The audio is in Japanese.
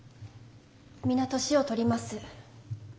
皆年を取ります。